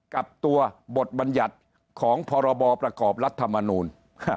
กับตัวบทบัญญัติของพรบประกอบรัฐมนูล